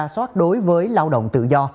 soát đối với lao động tự do